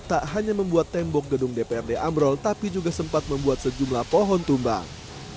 tak hanya membuat tembok gedung dprd ambrol tapi juga sempat membuat sejumlah pohon tumbang